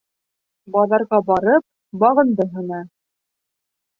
Баҙарға барып, бағынды һына.